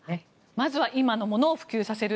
まずは今のものを普及させる。